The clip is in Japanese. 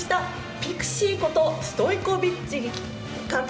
ピクシーことストイコビッチ監督